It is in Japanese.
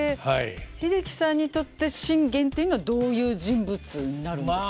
英樹さんにとって信玄っていうのはどういう人物になるんですか。